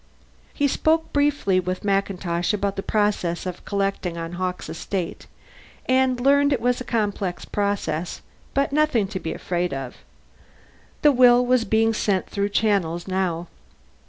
He spoke briefly with MacIntosh about the process of collecting on Hawkes' estate, and learned it was a complex process, but nothing to be frightened of. The will was being sent through channels now.